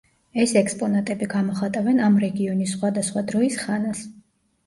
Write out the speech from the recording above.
ეს ექსპონატები გამოხატავენ ამ რეგიონის სხვადასხვა დროის ხანას.